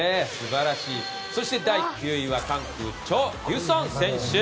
そして第９位はチョ・ギュソン選手。